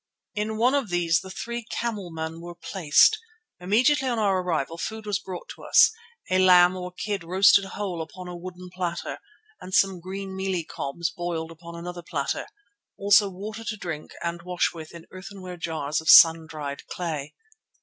In one of these the three camelmen were placed. Immediately on our arrival food was brought to us, a lamb or kid roasted whole upon a wooden platter, and some green mealie cobs boiled upon another platter; also water to drink and wash with in earthenware jars of sun dried clay.